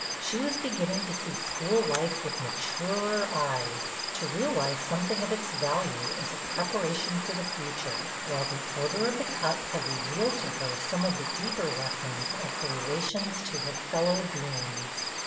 She was begin ning to see school life with maturer eyes, to realize something of its value as a prepara tion for the future ; while the Order of The Cup had revealed to her some of the deeper lessons of her relations to her fellow beings.